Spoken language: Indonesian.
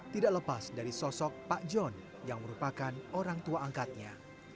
tidak lepas dari sosok pak john yang merupakan orang tua angkatnya